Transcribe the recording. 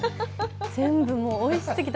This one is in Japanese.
全部もうおいしすぎて。